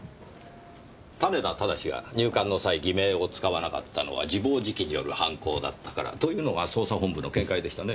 種田正が入館の際偽名を使わなかったのは自暴自棄による犯行だったからというのが捜査本部の見解でしたね？